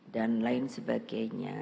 dan lain sebagainya